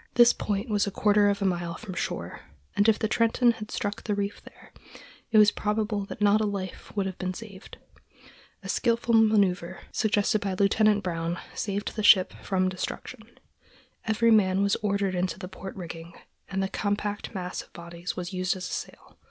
This point was a quarter of a mile from shore, and if the Trenton had struck the reef there, it is probable that not a life would have been saved. A skilful manœuver, suggested by Lieutenant Brown, saved the ship from destruction. Every man was ordered into the port rigging, and the compact mass of bodies was used as a sail.